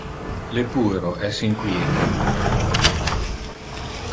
Le puero es inquiete.